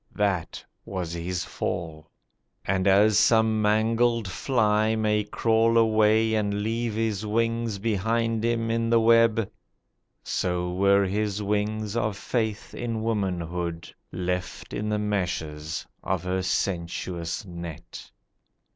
That was his fall; And as some mangled fly may crawl away And leave his wings behind him in the web, So were his wings of faith in womanhood Left in the meshes of her sensuous net.